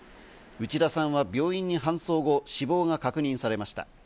内田さんは病院に搬送後、死亡が確認されました。